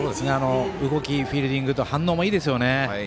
動き、フィールディング反応もいいですよね。